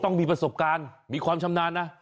ต้องมีประสบการณ์มีความชำนาญนะ